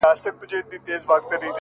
څوک وایي گران دی؛ څوک وای آسان دی؛